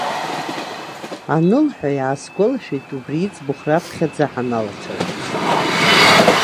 Анылҳәа, иаасгәалашәеит убри иӡбахә раԥхьаӡа ҳаналацәажәоз.